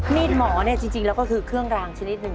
มีดหมอเนี่ยจริงแล้วก็คือเครื่องรางชนิดหนึ่ง